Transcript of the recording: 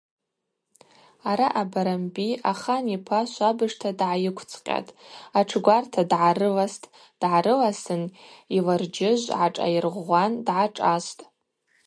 Араъа Барамби ахан йпа швабыжта дгӏайыквцӏкъьатӏ, атшгварта дгӏарыластӏ, дгӏарыласын йларджьыжв гӏашӏайыргъвгъван дгӏашӏастӏ.